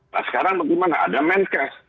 nah sekarang bagaimana ada menkes